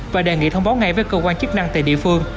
và đề nghị thông báo ngay với cơ quan chức năng tại địa phương